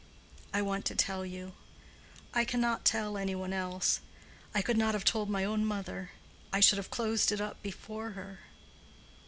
"I want to tell you; I cannot tell any one else. I could not have told my own mother: I should have closed it up before her.